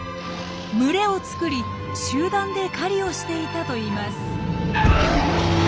群れを作り集団で狩りをしていたといいます。